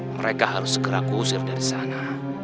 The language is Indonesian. mereka harus segera kusir dari sana